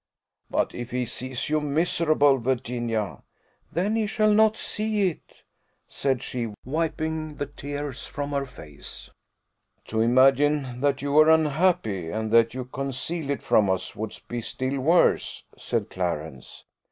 "But if he sees you miserable, Virginia?" "Then he shall not see it," said she, wiping the tears from her face. "To imagine that you were unhappy, and that you concealed it from us, would be still worse," said Clarence.